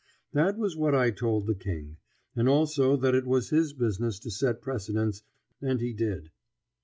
That was what I told the King, and also that it was his business to set precedents, and he did.